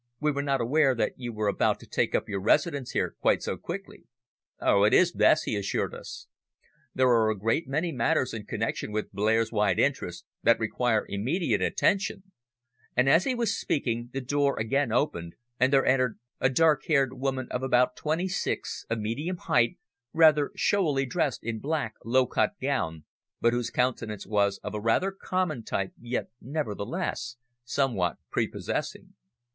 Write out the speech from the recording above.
"We were not aware that you were about to take up your residence here quite so quickly." "Oh, it is best," he assured us. "There are a great many matters in connexion with Blair's wide interests that require immediate attention," and as he was speaking, the door again opened and there entered a dark haired woman of about twenty six, of medium height, rather showily dressed in a black, low cut gown, but whose countenance was of a rather common type, yet, nevertheless, somewhat prepossessing.